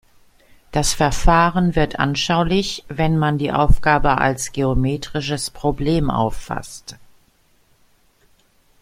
Das Verfahren wird anschaulich, wenn man die Aufgabe als geometrisches Problem auffasst.